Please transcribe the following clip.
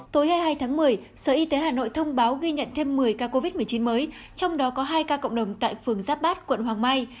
tối hai mươi hai tháng một mươi sở y tế hà nội thông báo ghi nhận thêm một mươi ca covid một mươi chín mới trong đó có hai ca cộng đồng tại phường giáp bát quận hoàng mai